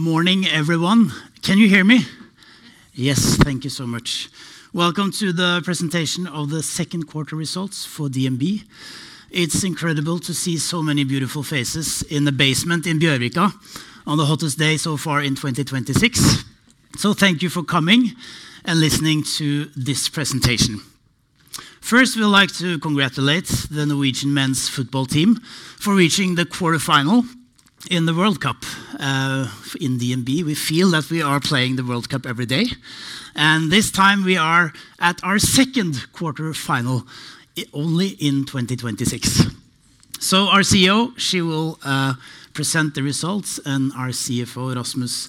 Morning, everyone. Can you hear me? Yes. Thank you so much. Welcome to the presentation of the second quarter results for DNB. It's incredible to see so many beautiful faces in the basement in Bjørvika on the hottest day so far in 2026. Thank you for coming and listening to this presentation. First, we'd like to congratulate the Norwegian men's football team for reaching the quarterfinal in the World Cup. In DNB, we feel that we are playing the World Cup every day, and this time we are at our second quarterfinal only in 2026. Our CEO, she will present the results, and our CFO, Rasmus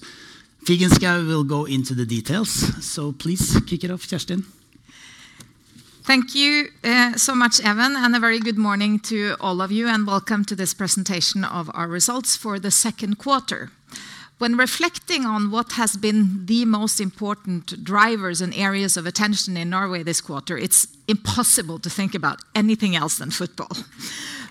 Figenschou, will go into the details. Please kick it off, Kjerstin. Thank you so much, Even, a very good morning to all of you, and welcome to this presentation of our results for the second quarter. When reflecting on what has been the most important drivers and areas of attention in Norway this quarter, it's impossible to think about anything else than football.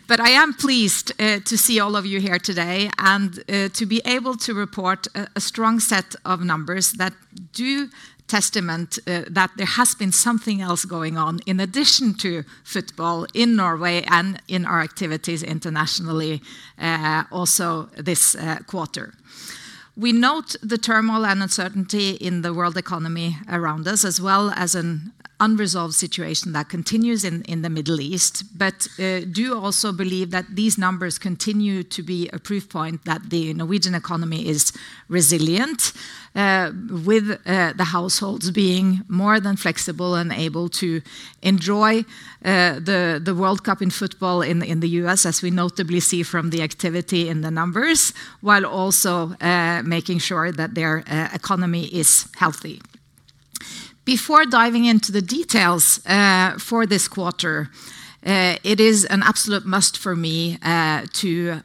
I am pleased to see all of you here today and to be able to report a strong set of numbers that do testament that there has been something else going on in addition to football in Norway and in our activities internationally, also this quarter. We note the turmoil and uncertainty in the world economy around us, as well as an unresolved situation that continues in the Middle East, do also believe that these numbers continue to be a proof point that the Norwegian economy is resilient, with the households being more than flexible and able to enjoy the World Cup in football in the U.S., as we notably see from the activity in the numbers, while also making sure that their economy is healthy. Before diving into the details for this quarter, it is an absolute must for me to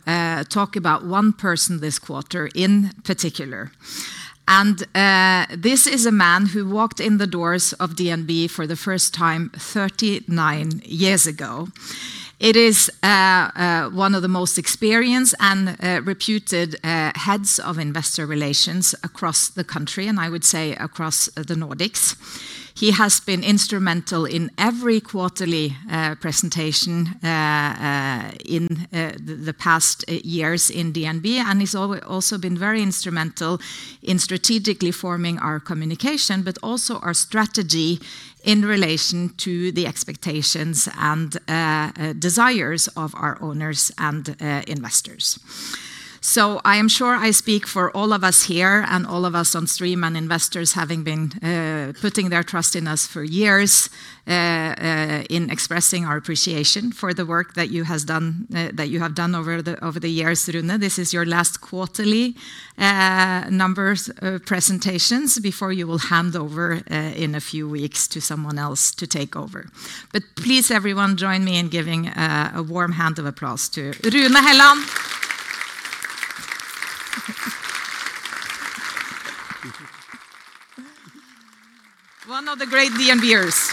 talk about one person this quarter in particular. This is a man who walked in the doors of DNB for the first time 39 years ago. It is one of the most experienced and reputed heads of investor relations across the country, and I would say across the Nordics. He has been instrumental in every quarterly presentation in the past years in DNB, he's also been very instrumental in strategically forming our communication, our strategy in relation to the expectations and desires of our owners and investors. I am sure I speak for all of us here and all of us on stream and investors, having been putting their trust in us for years, in expressing our appreciation for the work that you have done over the years, Rune. This is your last quarterly numbers presentations before you will hand over in a few weeks to someone else to take over. Please, everyone, join me in giving a warm hand of applause to Rune Helland. One of the great DNBers.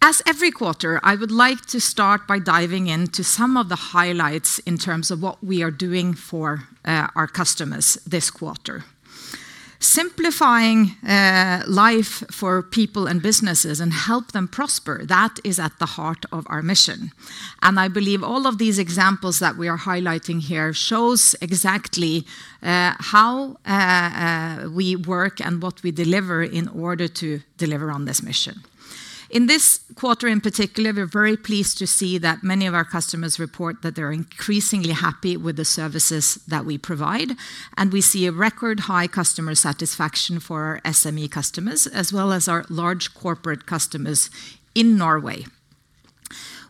As every quarter, I would like to start by diving into some of the highlights in terms of what we are doing for our customers this quarter. Simplifying life for people and businesses and help them prosper, that is at the heart of our mission. I believe all of these examples that we are highlighting here shows exactly how we work and what we deliver in order to deliver on this mission. In this quarter in particular, we're very pleased to see that many of our customers report that they're increasingly happy with the services that we provide, we see a record high customer satisfaction for our SME customers, as well as our large corporate customers in Norway.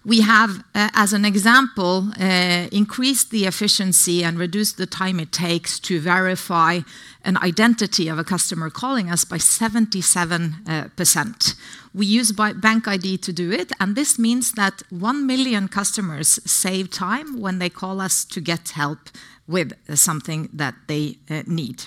We have, as an example, increased the efficiency and reduced the time it takes to verify an identity of a customer calling us by 77%. We use BankID to do it, this means that 1 million customers save time when they call us to get help with something that they need.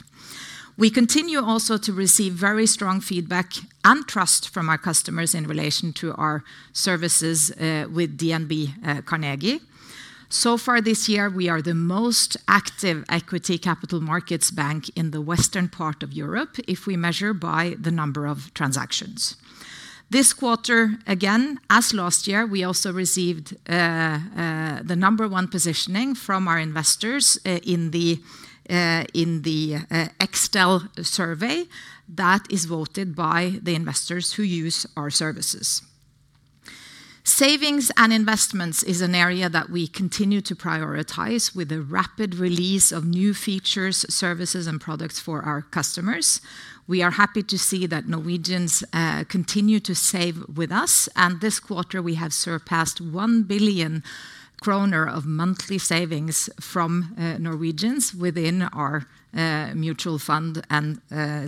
We continue also to receive very strong feedback and trust from our customers in relation to our services with DNB Carnegie. So far this year, we are the most active equity capital markets bank in the western part of Europe if we measure by the number of transactions. This quarter, again, as last year, we also received the number one positioning from our investors in the Extel survey that is voted by the investors who use our services. Savings and investments is an area that we continue to prioritize with the rapid release of new features, services, and products for our customers. We are happy to see that Norwegians continue to save with us, this quarter, we have surpassed 1 billion kroner of monthly savings from Norwegians within our mutual fund and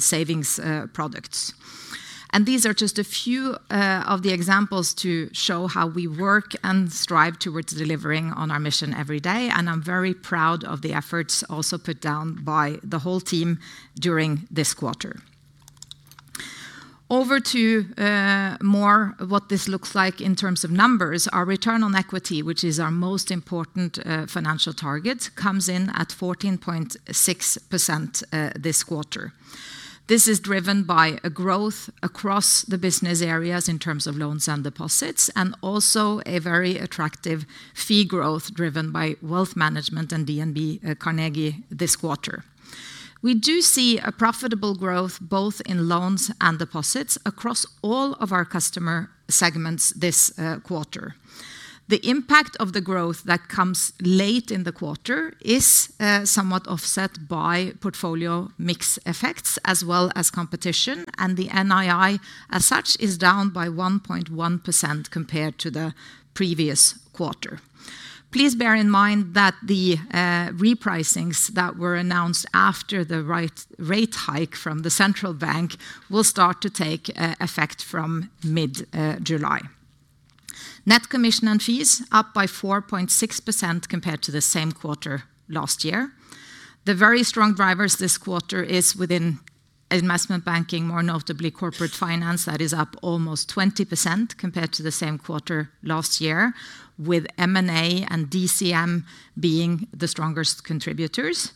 savings products. These are just a few of the examples to show how we work and strive towards delivering on our mission every day, I'm very proud of the efforts also put down by the whole team during this quarter. Over to more what this looks like in terms of numbers. Our return on equity, which is our most important financial target, comes in at 14.6% this quarter. This is driven by a growth across the business areas in terms of loans and deposits, a very attractive fee growth driven by wealth management and DNB Carnegie this quarter. We do see a profitable growth both in loans and deposits across all of our customer segments this quarter. The impact of the growth that comes late in the quarter is somewhat offset by portfolio mix effects as well as competition. The NII, as such, is down by 1.1% compared to the previous quarter. Please bear in mind that the repricings that were announced after the rate hike from the Central Bank will start to take effect from mid-July. Net commission and fees up by 4.6% compared to the same quarter last year. The very strong drivers this quarter is within investment banking, more notably corporate finance that is up almost 20% compared to the same quarter last year, with M&A and DCM being the strongest contributors.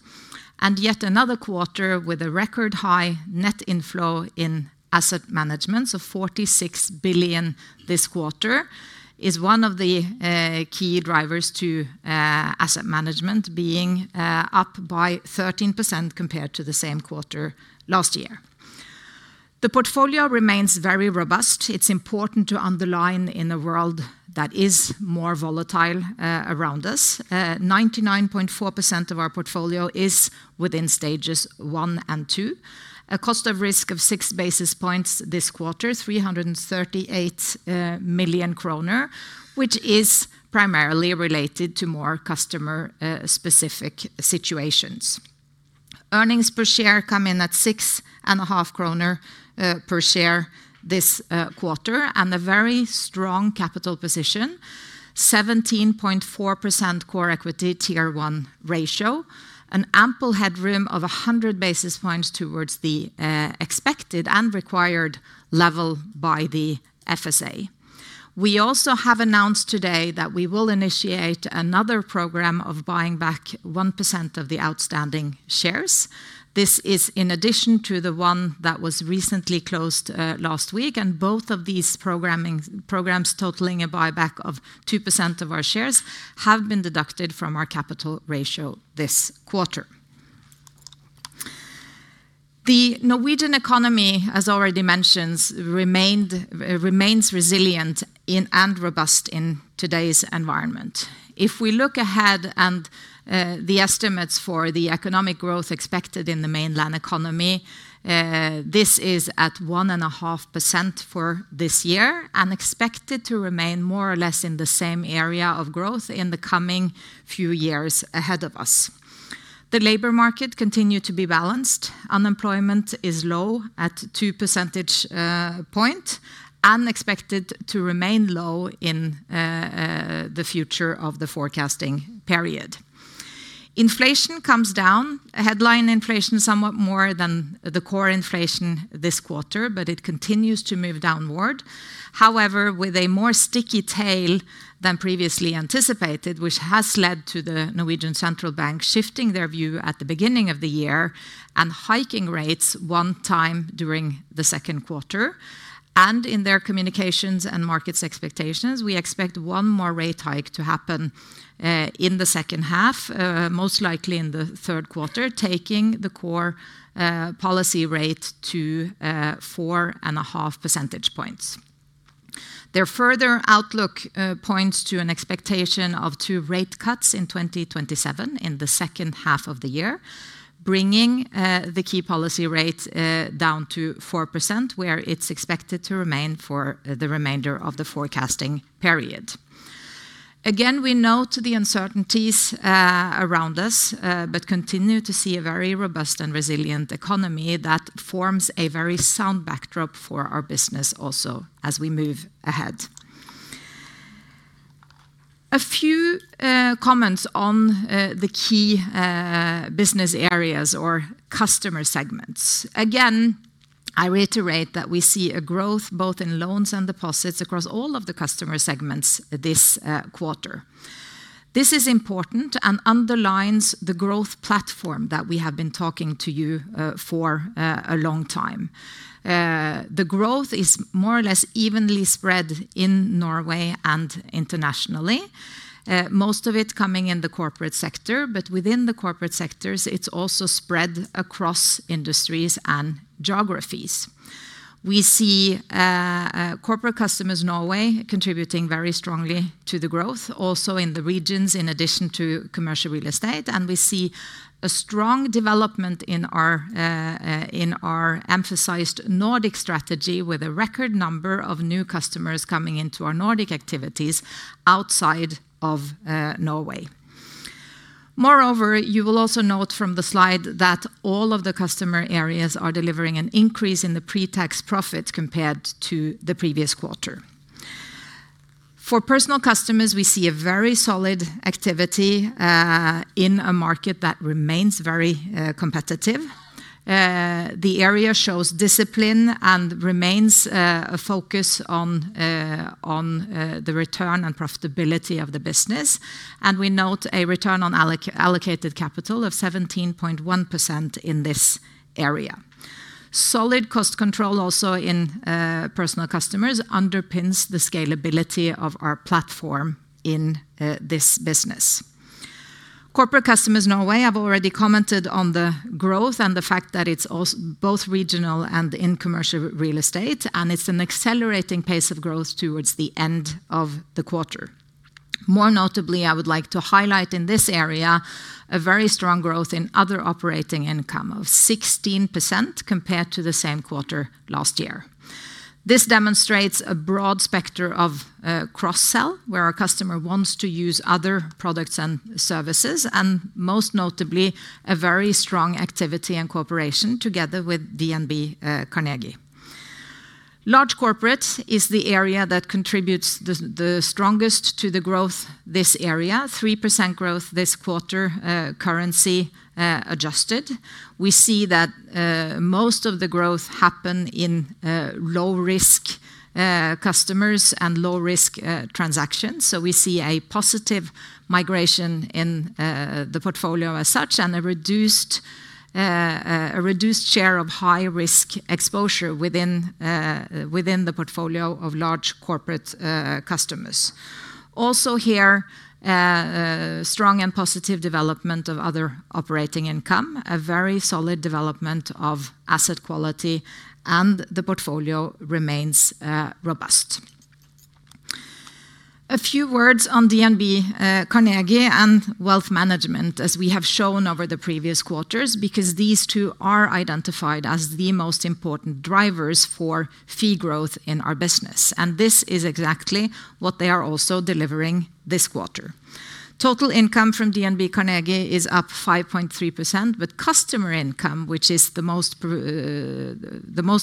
Yet another quarter with a record high net inflow in asset management, so 46 billion this quarter is one of the key drivers to asset management being up by 13% compared to the same quarter last year. The portfolio remains very robust. It's important to underline in a world that is more volatile around us. 99.4% of our portfolio is within stages one and two. A cost of risk of 6 basis points this quarter, 338 million kroner, which is primarily related to more customer-specific situations. Earnings per share come in at 6.5 kroner per share this quarter. A very strong capital position, 17.4% core equity Tier 1 ratio. An ample headroom of 100 basis points towards the expected and required level by the FSA. We also have announced today that we will initiate another program of buying back 1% of the outstanding shares. This is in addition to the one that was recently closed last week. Both of these programs totaling a buyback of 2% of our shares, have been deducted from our capital ratio this quarter. The Norwegian economy, as already mentioned, remains resilient and robust in today's environment. If we look ahead and the estimates for the economic growth expected in the mainland economy, this is at 1.5% for this year and expected to remain more or less in the same area of growth in the coming few years ahead of us. The labor market continued to be balanced. Unemployment is low at 2 percentage points and expected to remain low in the future of the forecasting period. Inflation comes down. Headline inflation somewhat more than the core inflation this quarter. It continues to move downward. However, with a more sticky tail than previously anticipated, which has led to the Norwegian Central Bank shifting their view at the beginning of the year and hiking rates one time during the second quarter. In their communications and markets expectations, we expect one more rate hike to happen in the second half, most likely in the third quarter, taking the core policy rate to 4.5 percentage points. Their further outlook points to an expectation of two rate cuts in 2027 in the second half of the year, bringing the key policy rate down to 4%, where it's expected to remain for the remainder of the forecasting period. Again, we note the uncertainties around us. We continue to see a very robust and resilient economy that forms a very sound backdrop for our business also as we move ahead. A few comments on the key business areas or customer segments. Again, I reiterate that we see a growth both in loans and deposits across all of the customer segments this quarter. This is important and underlines the growth platform that we have been talking to you for a long time. The growth is more or less evenly spread in Norway and internationally. Most of it coming in the corporate sector, but within the corporate sectors, it's also spread across industries and geographies. We see Corporate Customers Norway contributing very strongly to the growth, also in the regions in addition to commercial real estate. We see a strong development in our emphasized Nordic strategy with a record number of new customers coming into our Nordic activities outside of Norway. Moreover, you will also note from the slide that all of the customer areas are delivering an increase in the pre-tax profit compared to the previous quarter. For personal customers, we see a very solid activity in a market that remains very competitive. The area shows discipline and remains a focus on the return and profitability of the business, and we note a return on allocated capital of 17.1% in this area. Solid cost control also in personal customers underpins the scalability of our platform in this business. Corporate Customers Norway, I've already commented on the growth and the fact that it's both regional and in commercial real estate, and it's an accelerating pace of growth towards the end of the quarter. More notably, I would like to highlight in this area a very strong growth in other operating income of 16% compared to the same quarter last year. This demonstrates a broad spectrum of cross-sell, where our customer wants to use other products and services, and most notably, a very strong activity and cooperation together with DNB Carnegie. Large corporate is the area that contributes the strongest to the growth this area, 3% growth this quarter, currency adjusted. We see that most of the growth happen in low-risk customers and low-risk transactions. We see a positive migration in the portfolio as such, and a reduced share of high-risk exposure within the portfolio of large corporate customers. Also here, strong and positive development of other operating income, a very solid development of asset quality, and the portfolio remains robust. A few words on DNB Carnegie and wealth management, as we have shown over the previous quarters, because these two are identified as the most important drivers for fee growth in our business. This is exactly what they are also delivering this quarter. Total income from DNB Carnegie is up 5.3%, but customer income, which is the most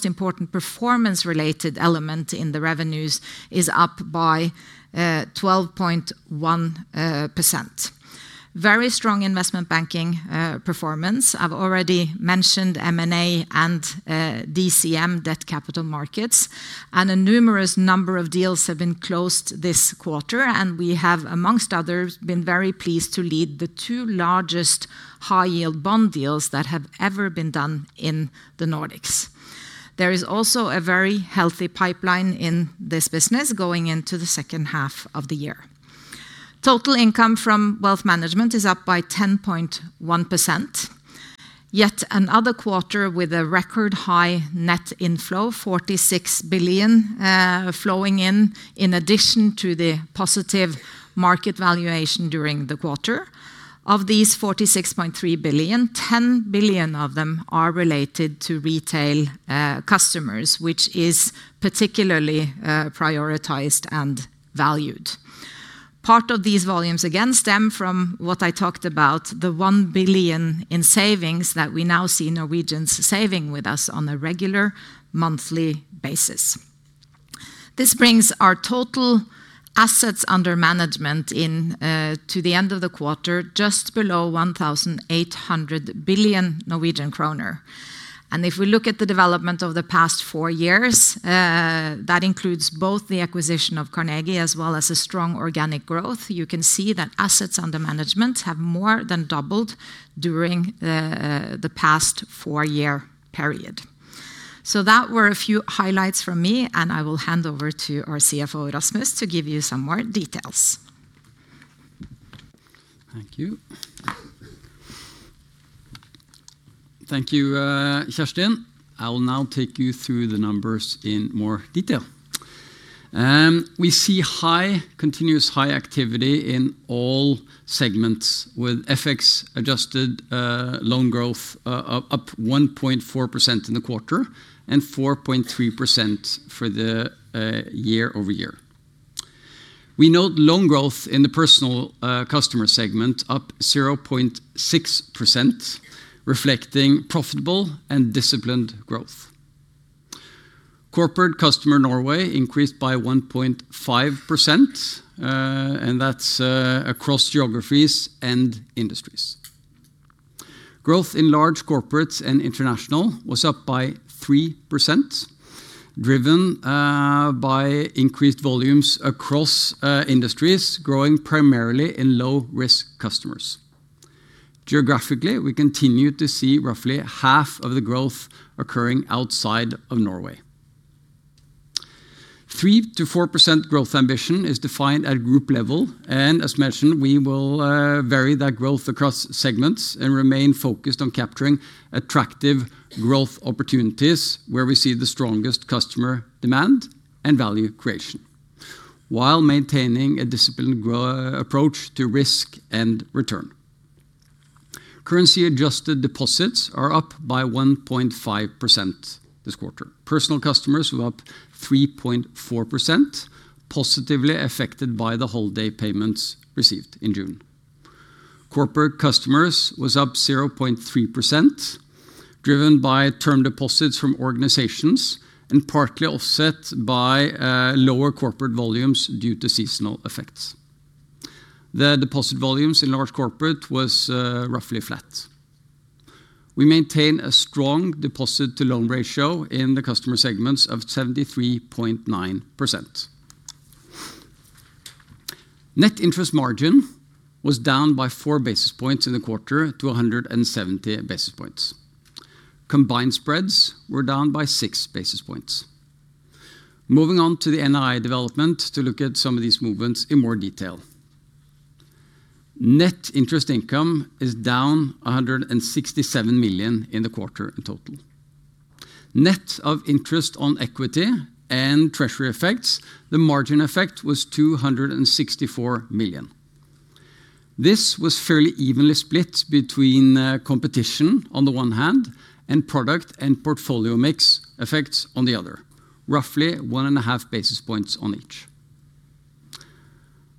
important performance-related element in the revenues, is up by 12.1%. Very strong investment banking performance. I've already mentioned M&A and DCM, debt capital markets, and a numerous number of deals have been closed this quarter. We have, amongst others, been very pleased to lead the two largest high-yield bond deals that have ever been done in the Nordics. There is also a very healthy pipeline in this business going into the second half of the year. Total income from wealth management is up by 10.1%. Yet another quarter with a record-high net inflow, 46 billion flowing in addition to the positive market valuation during the quarter. Of these 46.3 billion, 10 billion of them are related to retail customers, which is particularly prioritized and valued. Part of these volumes, again, stem from what I talked about, the 1 billion in savings that we now see Norwegians saving with us on a regular monthly basis. This brings our total assets under management to the end of the quarter, just below 1,800 billion Norwegian kroner. If we look at the development over the past four years, that includes both the acquisition of Carnegie as well as a strong organic growth. You can see that assets under management have more than doubled during the past four-year period. That were a few highlights from me, and I will hand over to our CFO, Rasmus, to give you some more details. Thank you. Thank you, Kjerstin. I will now take you through the numbers in more detail. We see continuous high activity in all segments with FX-adjusted loan growth up 1.4% in the quarter and 4.3% for the year-over-year. We note loan growth in the personal customer segment up 0.6%, reflecting profitable and disciplined growth. Corporate Customers Norway increased by 1.5%, That's across geographies and industries. Growth in large corporates and international was up by 3%, driven by increased volumes across industries, growing primarily in low-risk customers. Geographically, we continue to see roughly half of the growth occurring outside of Norway. 3%-4% growth ambition is defined at group level, as mentioned, we will vary that growth across segments and remain focused on capturing attractive growth opportunities where we see the strongest customer demand and value creation, while maintaining a disciplined approach to risk and return. Currency-adjusted deposits are up by 1.5% this quarter. Personal customers were up 3.4%, positively affected by the holiday payments received in June. Corporate Customers was up 0.3%, driven by term deposits from organizations and partly offset by lower corporate volumes due to seasonal effects. The deposit volumes in large corporate was roughly flat. We maintain a strong deposit to loan ratio in the customer segments of 73.9%. Net interest margin was down by four basis points in the quarter to 170 basis points. Combined spreads were down by 6 basis points. Moving on to the NII development to look at some of these movements in more detail. Net interest income is down 167 million in the quarter in total. Net of interest on equity and Treasury effects, the margin effect was 264 million. This was fairly evenly split between competition on the one hand and product and portfolio mix effects on the other, roughly one and a half basis points on each.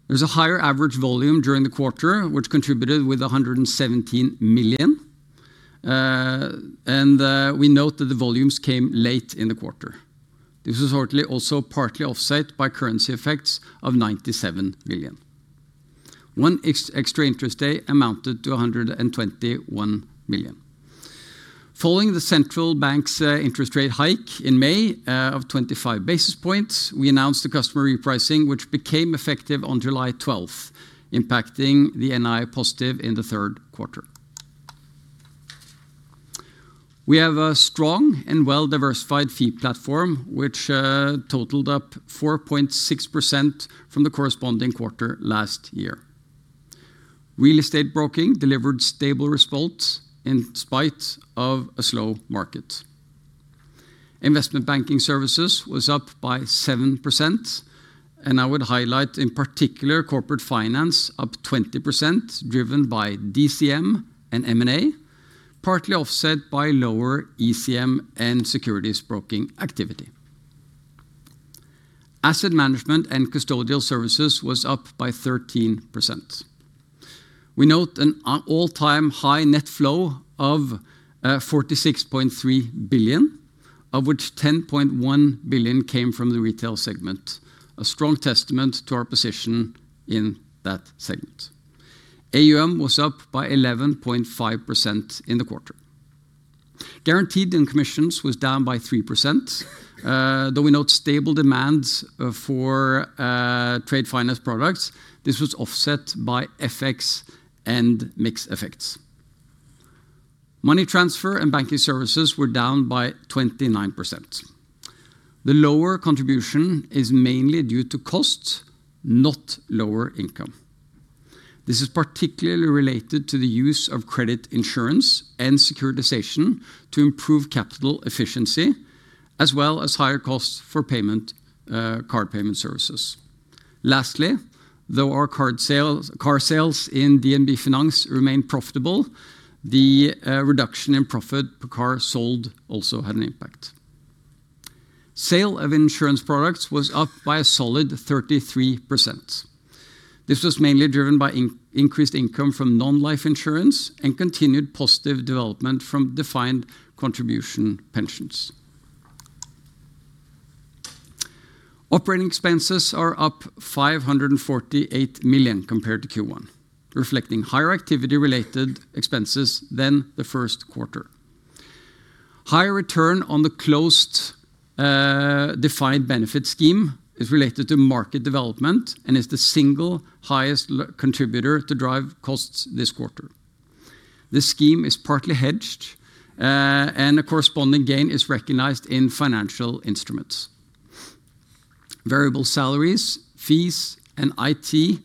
There's a higher average volume during the quarter, which contributed with 117 million. We note that the volumes came late in the quarter. This was also partly offset by currency effects of 97 million. One extra interest day amounted to 121 million. Following the central bank's interest rate hike in May of 25 basis points, we announced a customer repricing, which became effective on July 12th, impacting the NII positive in the third quarter. We have a strong and well-diversified fee platform, which totaled up 4.6% from the corresponding quarter last year. Real estate broking delivered stable results in spite of a slow market. Investment banking services was up by 7%. I would highlight in particular, Corporate Finance up 20%, driven by DCM and M&A, partly offset by lower ECM and securities broking activity. Asset management and custodial services was up by 13%. We note an all-time high net flow of 46.3 billion, of which 10.1 billion came from the retail segment, a strong testament to our position in that segment. AUM was up by 11.5% in the quarter. Guarantees and commissions was down by 3%. We note stable demands for trade finance products, this was offset by FX and mix effects. Money transfer and banking services were down by 29%. The lower contribution is mainly due to costs, not lower income. This is particularly related to the use of credit insurance and securitization to improve capital efficiency, as well as higher costs for card payment services. Our car sales in DNB Finans remain profitable, the reduction in profit per car sold also had an impact. Sale of insurance products was up by a solid 33%. This was mainly driven by increased income from non-life insurance and continued positive development from defined contribution pensions. Operating expenses are up 548 million compared to Q1, reflecting higher activity related expenses than the first quarter. Higher return on the closed defined benefit scheme is related to market development and is the single highest contributor to drive costs this quarter. This scheme is partly hedged. A corresponding gain is recognized in financial instruments. Variable salaries, fees, and IT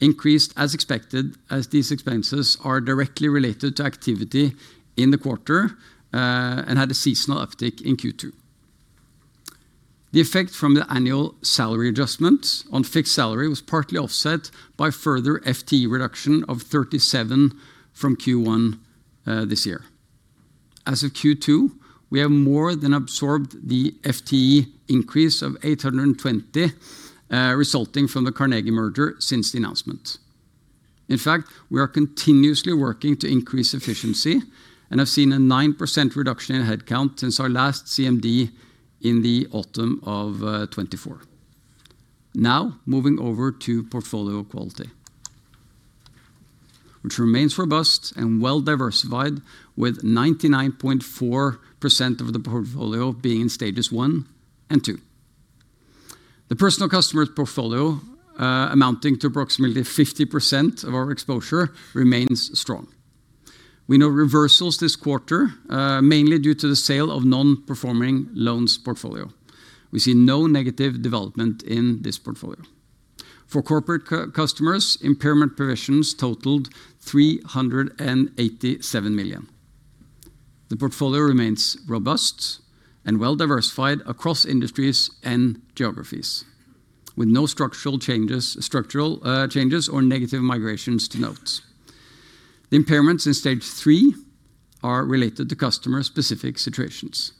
increased as expected as these expenses are directly related to activity in the quarter and had a seasonal uptick in Q2. The effect from the annual salary adjustments on fixed salary was partly offset by a further FTE reduction of 37 from Q1 this year. As of Q2, we have more than absorbed the FTE increase of 820 resulting from the Carnegie merger since the announcement. We are continuously working to increase efficiency and have seen a 9% reduction in headcount since our last CMD in the autumn of 2024. Moving over to portfolio quality which remains robust and well diversified with 99.4% of the portfolio being in stages one and two. The personal customer portfolio, amounting to approximately 50% of our exposure, remains strong. We note reversals this quarter, mainly due to the sale of non-performing loans portfolio. We see no negative development in this portfolio. For Corporate Customers, impairment provisions totaled 387 million. The portfolio remains robust and well diversified across industries and geographies, with no structural changes or negative migrations to note. The impairments in stage three are related to customer-specific situations.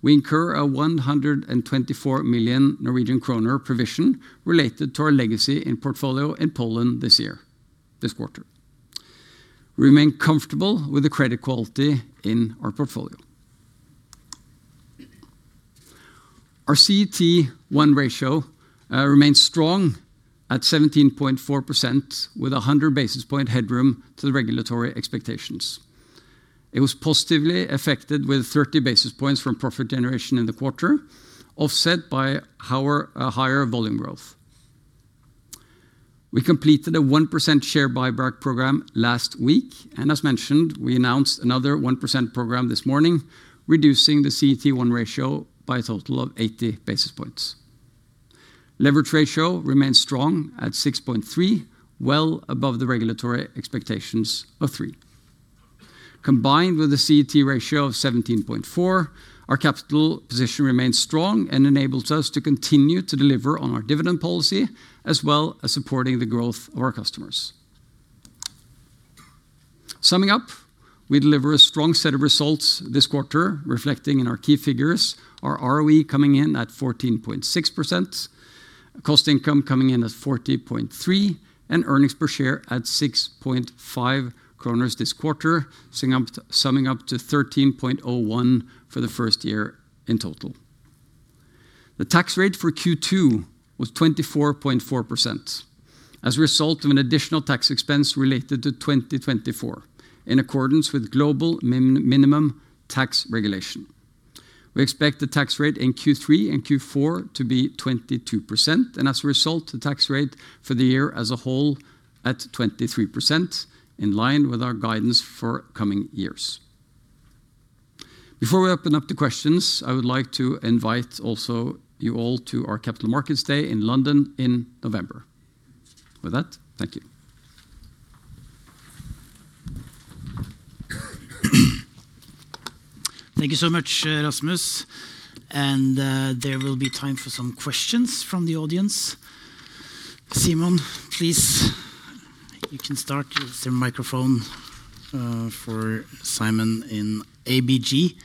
We incur a 124 million Norwegian kroner provision related to our legacy in portfolio in Poland this year, this quarter. We remain comfortable with the credit quality in our portfolio. Our CET1 ratio remains strong at 17.4%, with 100 basis point headroom to the regulatory expectations. It was positively affected with 30 basis points from profit generation in the quarter, offset by a higher volume growth. We completed a 1% share buyback program last week. As mentioned, we announced another 1% program this morning, reducing the CET1 ratio by a total of 80 basis points. Leverage ratio remains strong at 6.3, well above the regulatory expectations of three. Combined with a CET ratio of 17.4%, our capital position remains strong and enables us to continue to deliver on our dividend policy, as well as supporting the growth of our customers. Summing up, we deliver a strong set of results this quarter, reflecting in our key figures, our ROE coming in at 14.6%, cost income coming in at 40.3%, and earnings per share at 6.5 kroner this quarter, summing up to 13.01 for the first year in total. The tax rate for Q2 was 24.4% as a result of an additional tax expense related to 2024, in accordance with global minimum tax regulation. We expect the tax rate in Q3 and Q4 to be 22%, and as a result, the tax rate for the year as a whole at 23%, in line with our guidance for coming years. Before we open up to questions, I would like to invite also you all to our Capital Markets Day in London in November. With that, thank you. Thank you so much, Rasmus, there will be time for some questions from the audience. Simon, please. You can start. Use the microphone for Simon in ABG.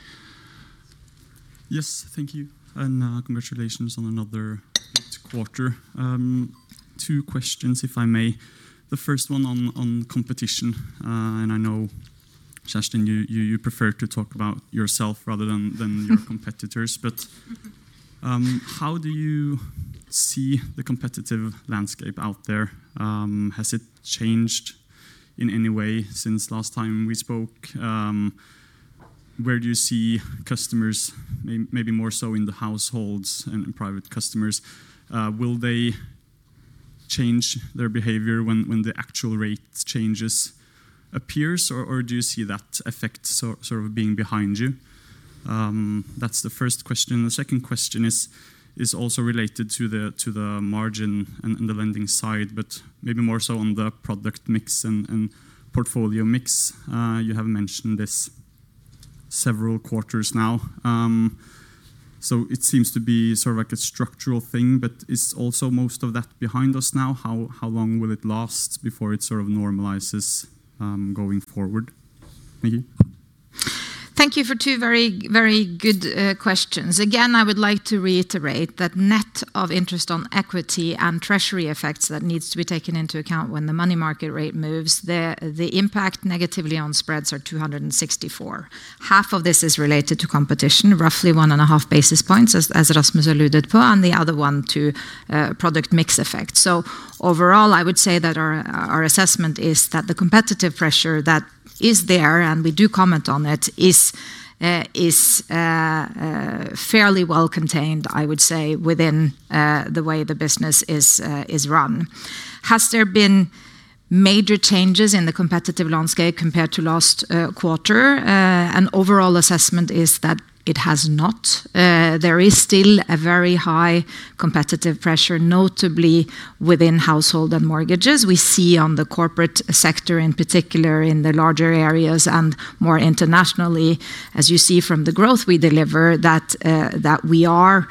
Thank you, congratulations on another great quarter. Two questions, if I may. The first one on competition, I know, Kjerstin, you prefer to talk about yourself rather than your competitors. How do you see the competitive landscape out there? Has it changed in any way since last time we spoke? Where do you see customers, maybe more so in the households and private customers, will they change their behavior when the actual rate changes appears, or do you see that effect sort of being behind you? That's the first question. The second question is also related to the margin and the lending side, but maybe more so on the product mix and portfolio mix. You have mentioned this several quarters now. It seems to be a structural thing, is also most of that behind us now? How long will it last before it normalizes going forward? Thank you. Thank you for two very good questions. Again, I would like to reiterate that net of interest on equity and treasury effects that needs to be taken into account when the money market rate moves, the impact negatively on spreads are 264. Half of this is related to competition, roughly 1.5 basis points as Rasmus alluded to, and the other one to product mix effect. Overall, I would say that our assessment is that the competitive pressure that is there, and we do comment on it, is fairly well contained, I would say, within the way the business is run. Has there been major changes in the competitive landscape compared to last quarter? An overall assessment is that it has not. There is still a very high competitive pressure, notably within household and mortgages. We see on the corporate sector, in particular, in the larger areas and more internationally, as you see from the growth we deliver, that we are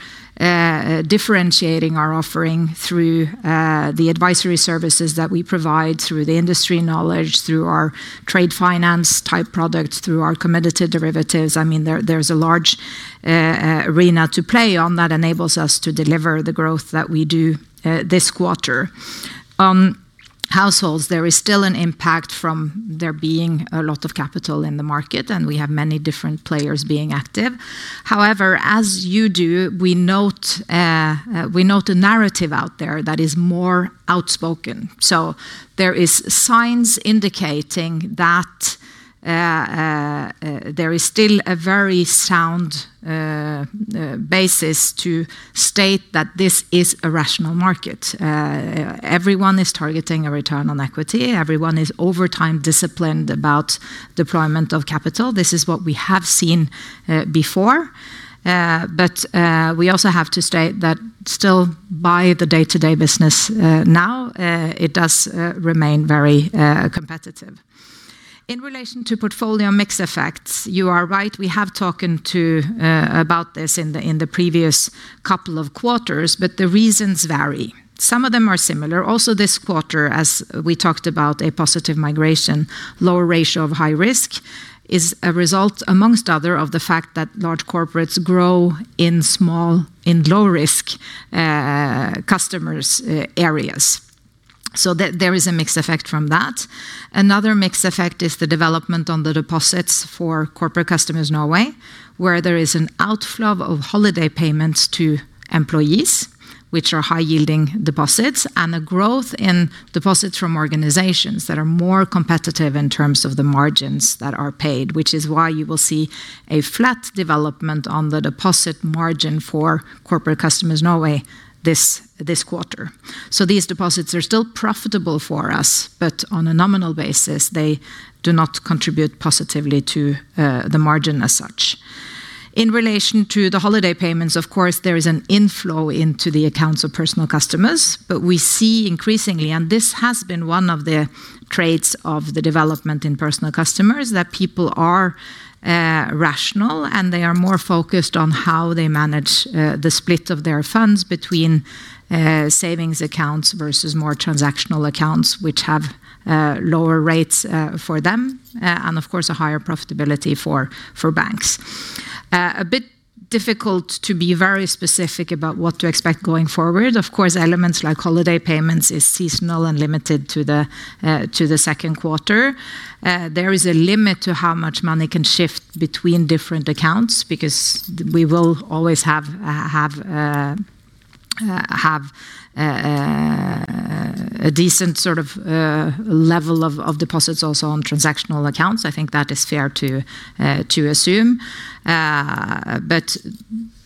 differentiating our offering through the advisory services that we provide through the industry knowledge, through our trade finance type products, through our committed derivatives. There's a large arena to play on that enables us to deliver the growth that we do this quarter. Households, there is still an impact from there being a lot of capital in the market, and we have many different players being active. However, as you do, we note a narrative out there that is more outspoken. There is signs indicating that there is still a very sound basis to state that this is a rational market. Everyone is targeting a return on equity. Everyone is over time disciplined about deployment of capital. This is what we have seen before. We also have to state that still by the day-to-day business now, it does remain very competitive. In relation to portfolio mix effects, you are right. We have talked about this in the previous couple of quarters, but the reasons vary. Some of them are similar. Also, this quarter, as we talked about a positive migration, lower ratio of high risk is a result, amongst other, of the fact that large corporates grow in low risk customers areas. There is a mix effect from that. Another mix effect is the development on the deposits for Corporate Customers Norway, where there is an outflow of holiday payments to employees, which are high yielding deposits, and a growth in deposits from organizations that are more competitive in terms of the margins that are paid, which is why you will see a flat development on the deposit margin for Corporate Customers Norway this quarter. These deposits are still profitable for us, but on a nominal basis, they do not contribute positively to the margin as such. In relation to the holiday payments, of course, there is an inflow into the accounts of personal customers. We see increasingly, and this has been one of the traits of the development in personal customers, that people are rational and they are more focused on how they manage the split of their funds between savings accounts versus more transactional accounts, which have lower rates for them. Of course, a higher profitability for banks. A bit difficult to be very specific about what to expect going forward. Of course, elements like holiday payments is seasonal and limited to the second quarter. There is a limit to how much money can shift between different accounts, because we will always have a decent level of deposits also on transactional accounts. I think that is fair to assume.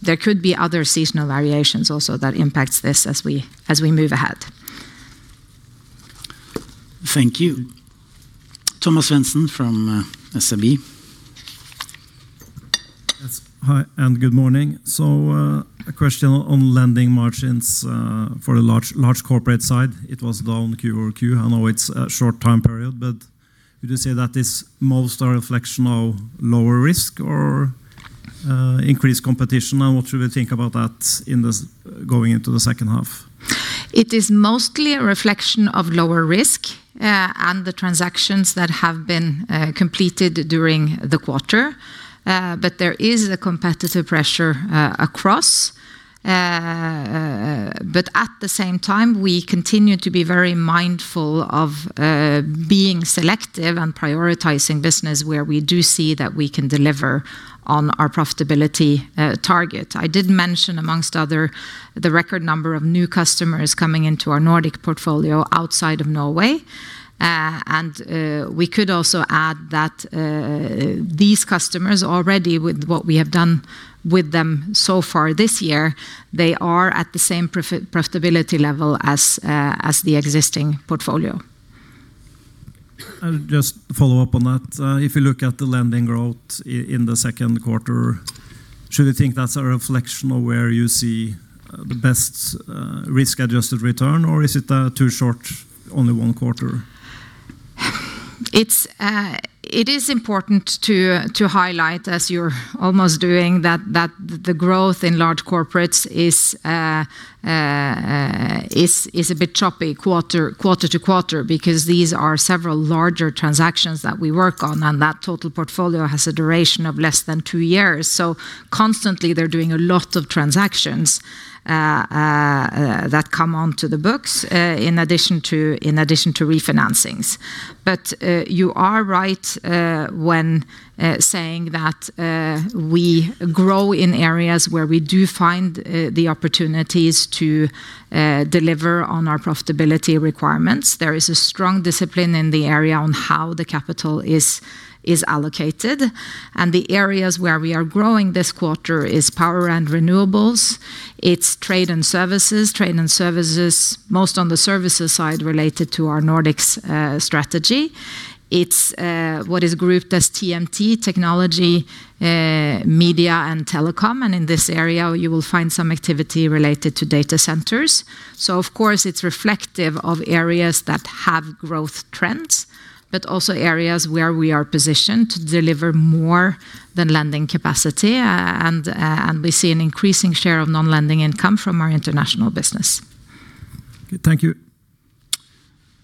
There could be other seasonal variations also that impacts this as we move ahead. Thank you. Thomas Svendsen from SEB. Yes. Hi, and good morning. A question on lending margins for the large corporate side, it was down Q-over-Q. I know it's a short time period, but would you say that is most a reflection of lower risk or increased competition? What should we think about that going into the second half? It is mostly a reflection of lower risk, the transactions that have been completed during the quarter. There is a competitive pressure across. At the same time, we continue to be very mindful of being selective and prioritizing business where we do see that we can deliver on our profitability target. I did mention, amongst other, the record number of new customers coming into our Nordic portfolio outside of Norway. We could also add that these customers already, with what we have done with them so far this year, they are at the same profitability level as the existing portfolio. I'll just follow up on that. If you look at the lending growth in the second quarter, should we think that's a reflection of where you see the best risk-adjusted return, or is it too short, only one quarter? It is important to highlight, as you're almost doing, that the growth in large corporates is a bit choppy quarter to quarter because these are several larger transactions that we work on, and that total portfolio has a duration of less than two years. Constantly, they're doing a lot of transactions that come onto the books, in addition to refinancings. You are right when saying that we grow in areas where we do find the opportunities to deliver on our profitability requirements. There is a strong discipline in the area on how the capital is allocated, and the areas where we are growing this quarter is power and renewables. It's trade and services. Trade and services, most on the services side related to our Nordics strategy. It's what is grouped as TMT, technology, media, and telecom. In this area, you will find some activity related to data centers. Of course, it's reflective of areas that have growth trends, but also areas where we are positioned to deliver more than lending capacity. We see an increasing share of non-lending income from our international business. Okay. Thank you.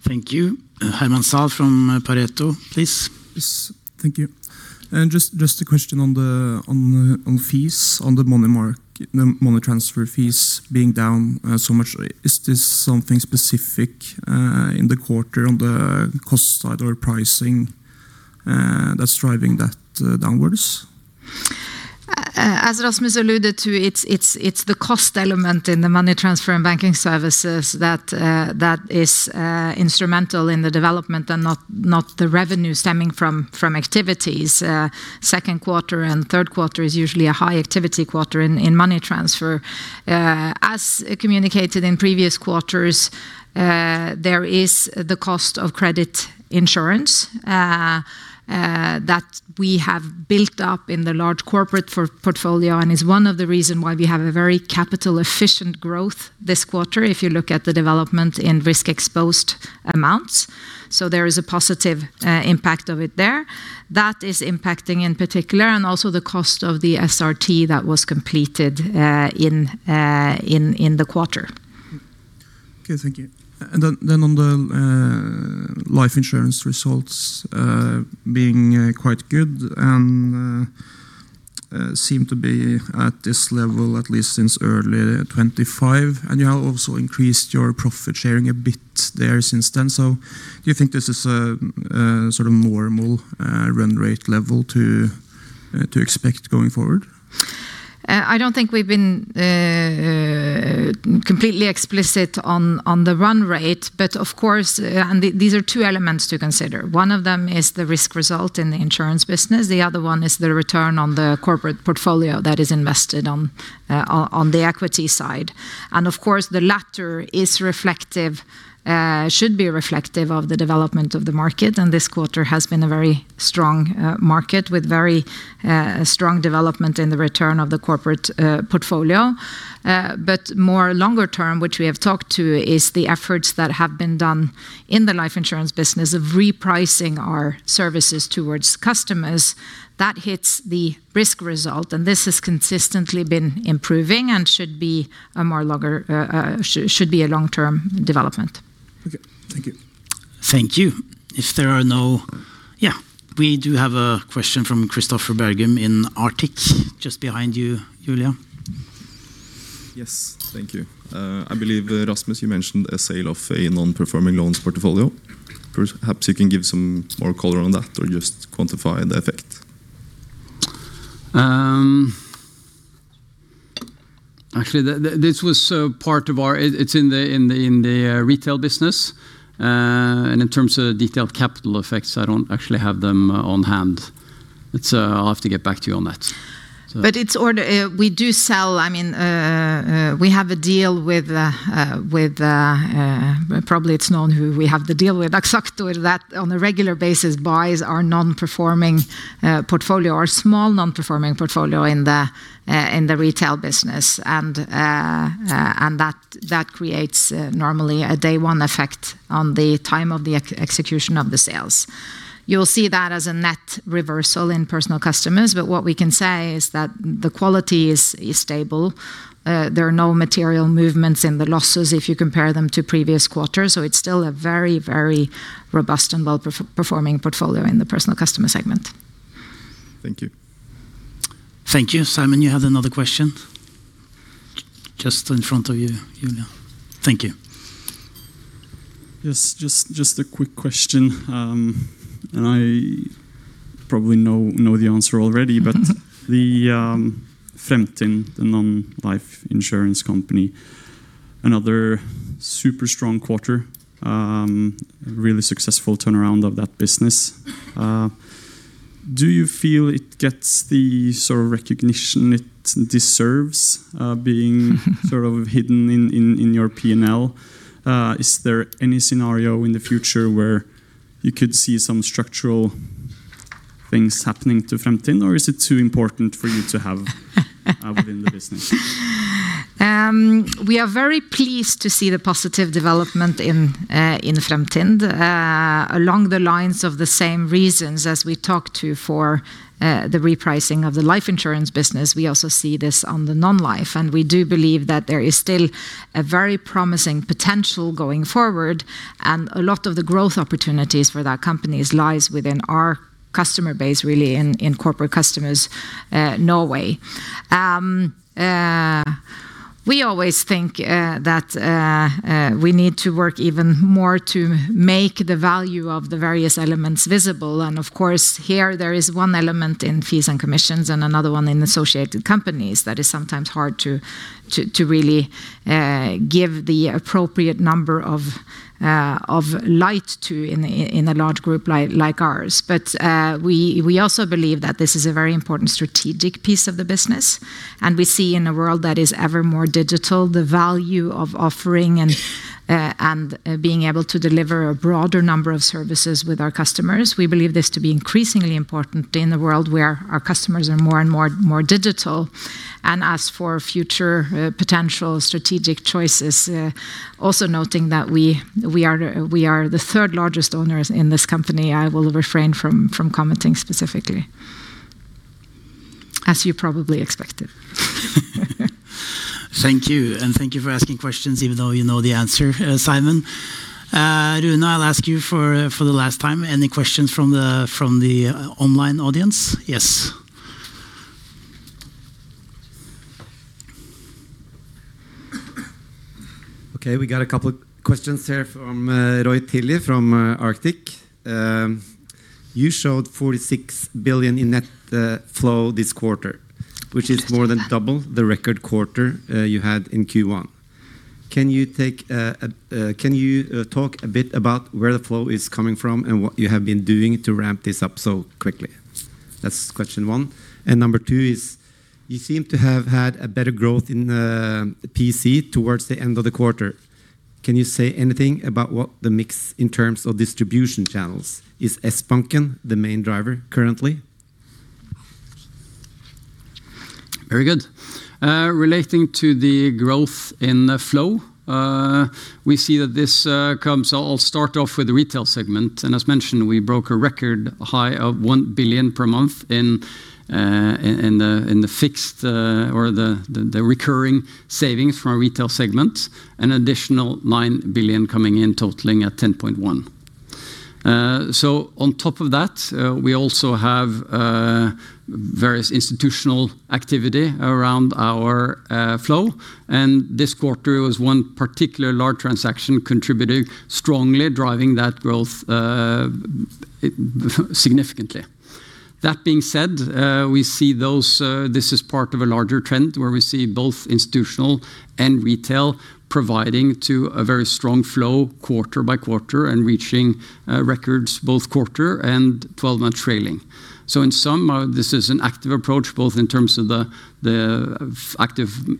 Thank you. Herman Zahl from Pareto, please. Yes. Thank you. Just a question on fees, on the money transfer fees being down so much. Is this something specific in the quarter on the cost side or pricing that's driving that downwards? As Rasmus alluded to, it's the cost element in the money transfer and banking services that is instrumental in the development and not the revenue stemming from activities. Second quarter and third quarter is usually a high activity quarter in money transfer. As communicated in previous quarters, there is the cost of credit insurance that we have built up in the large corporate portfolio and is one of the reason why we have a very capital efficient growth this quarter, if you look at the development in risk exposed amounts. There is a positive impact of it there. That is impacting in particular, and also the cost of the SRT that was completed in the quarter. Okay, thank you. On the life insurance results being quite good and seem to be at this level at least since early 2025, and you have also increased your profit sharing a bit there since then. Do you think this is a normal run rate level to expect going forward? I don't think we've been completely explicit on the run rate, but of course, these are two elements to consider. One of them is the risk result in the insurance business, the other one is the return on the corporate portfolio that is invested on the equity side. Of course, the latter should be reflective of the development of the market, and this quarter has been a very strong market with very strong development in the return of the corporate portfolio. More longer term, which we have talked to, is the efforts that have been done in the life insurance business of repricing our services towards customers. That hits the risk result, and this has consistently been improving and should be a long-term development. Okay. Thank you. Thank you. If there are no Yeah. We do have a question from Christopher Berglund in Arctic, just behind you, Julia. Yes. Thank you. I believe, Rasmus, you mentioned a sale of a non-performing loans portfolio. Perhaps you can give some more color on that or just quantify the effect. Actually, it's in the retail business. In terms of detailed capital effects, I don't actually have them on hand. I'll have to get back to you on that. We have a deal with, probably it's known who we have the deal with, Axactor, that on a regular basis buys our small non-performing portfolio in the retail business. That creates normally a day one effect on the time of the execution of the sales. You'll see that as a net reversal in personal customers. What we can say is that the quality is stable. There are no material movements in the losses if you compare them to previous quarters. It's still a very robust and well-performing portfolio in the personal customer segment. Thank you. Thank you. Simon, you had another question. Just in front of you, Julia. Thank you. Yes, just a quick question, and I probably know the answer already. The Fremtind, the non-life insurance company, another super strong quarter, really successful turnaround of that business. Do you feel it gets the sort of recognition it deserves, being sort of hidden in your P&L? Is there any scenario in the future where you could see some structural things happening to Fremtind, or is it too important for you to have within the business? We are very pleased to see the positive development in Fremtind. Along the lines of the same reasons as we talked to for the repricing of the life insurance business, we also see this on the non-life, and we do believe that there is still a very promising potential going forward, and a lot of the growth opportunities for that company lies within our customer base, really in Corporate Customers Norway. We always think that we need to work even more to make the value of the various elements visible. Of course, here, there is one element in fees and commissions and another one in associated companies that is sometimes hard to really give the appropriate number of light to in a large group like ours. We also believe that this is a very important strategic piece of the business, and we see in a world that is ever more digital, the value of offering and being able to deliver a broader number of services with our customers. We believe this to be increasingly important in the world where our customers are more and more digital. As for future potential strategic choices, also noting that we are the third largest owners in this company. I will refrain from commenting specifically, as you probably expected. Thank you, thank you for asking questions even though you know the answer, Simon. Rune, I will ask you for the last time, any questions from the online audience? Yes. We got a couple of questions here from Roy Tilley from Arctic. You showed 46 billion in net flow this quarter, which is more than double the record quarter you had in Q1. Can you talk a bit about where the flow is coming from and what you have been doing to ramp this up so quickly? That is question one. Number two is, you seem to have had a better growth in the PC towards the end of the quarter. Can you say anything about what the mix in terms of distribution channels? Is Sbanken the main driver currently? Very good. Relating to the growth in flow, we see that this comes, I will start off with the retail segment, as mentioned, we broke a record high of 1 billion per month in the fixed or the recurring savings from our retail segment, an additional 9 billion coming in, totaling at 10.1. On top of that, we also have various institutional activity around our flow, this quarter was one particular large transaction contributing strongly, driving that growth significantly. That being said, this is part of a larger trend where we see both institutional and retail providing to a very strong flow quarter by quarter and reaching records both quarter and 12-month trailing. In sum, this is an active approach both in terms of the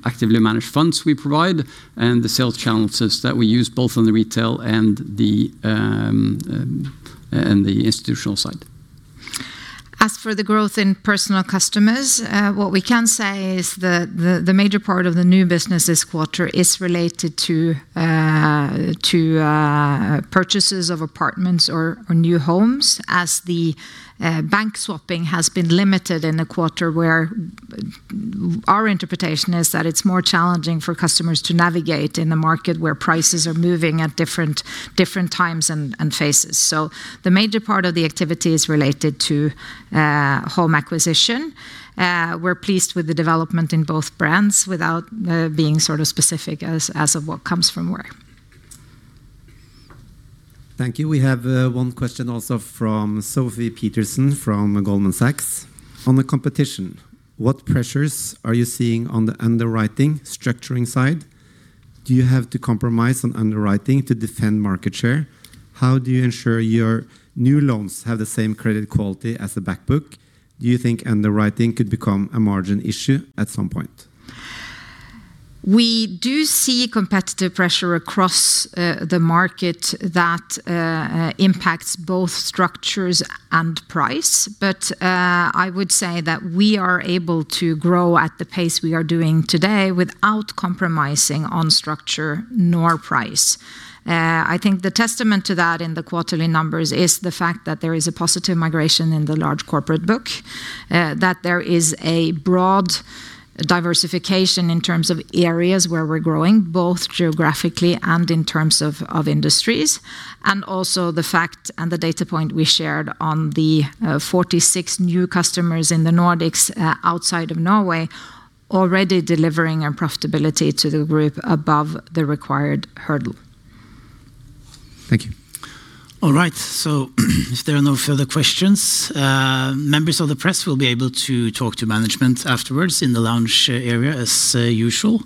actively managed funds we provide and the sales channels that we use both on the retail and the institutional side. As for the growth in personal customers, what we can say is the major part of the new business this quarter is related to purchases of apartments or new homes as the bank swapping has been limited in a quarter where our interpretation is that it is more challenging for customers to navigate in a market where prices are moving at different times and phases. The major part of the activity is related to home acquisition. We are pleased with the development in both brands without being specific as of what comes from where. Thank you. We have one question also from Sofie Peterzens from Goldman Sachs. On the competition, what pressures are you seeing on the underwriting structuring side? Do you have to compromise on underwriting to defend market share? How do you ensure your new loans have the same credit quality as the back book? Do you think underwriting could become a margin issue at some point? We do see competitive pressure across the market that impacts both structures and price. I would say that we are able to grow at the pace we are doing today without compromising on structure nor price. I think the testament to that in the quarterly numbers is the fact that there is a positive migration in the large corporate book, that there is a broad diversification in terms of areas where we're growing, both geographically and in terms of industries. Also the fact and the data point we shared on the 46 new customers in the Nordics outside of Norway already delivering a profitability to the group above the required hurdle. Thank you. All right. If there are no further questions, members of the press will be able to talk to management afterwards in the lounge area as usual.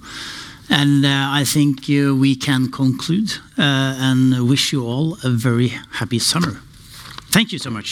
I think we can conclude and wish you all a very happy summer. Thank you so much.